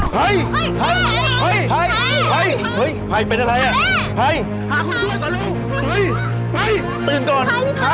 เฮ้ยเฮ้ยพายไปขึ้นรถก่อน